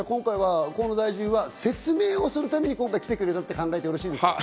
河野大臣は説明をするために今回来てくれたと考えてよろしいですか？